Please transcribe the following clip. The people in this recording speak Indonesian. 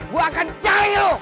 gue akan cari lo